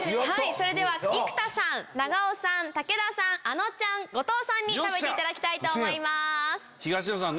それでは生田さん長尾さん武田さんあのちゃん後藤さん食べていただきたいと思います。